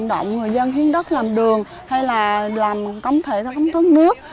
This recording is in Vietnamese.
động người dân khiến đất làm đường hay là làm công thể công tố nước